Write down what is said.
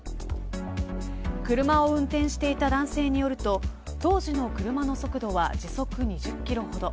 車を運転していた男性によると当時の車の速度は時速２０キロほど。